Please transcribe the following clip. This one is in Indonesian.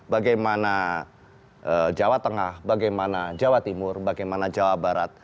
bagaimana jawa tengah bagaimana jawa timur bagaimana jawa barat